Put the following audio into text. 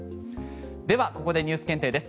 では、ここでＮＥＷＳ検定です。